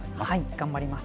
頑張ります。